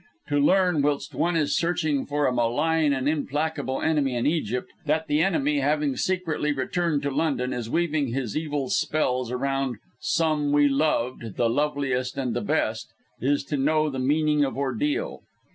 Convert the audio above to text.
To learn, whilst one is searching for a malign and implacable enemy in Egypt, that that enemy, having secretly returned to London, is weaving his evil spells around "some we loved, the loveliest and the best," is to know the meaning of ordeal.